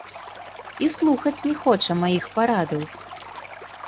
І слухаць не хоча маіх парадаў.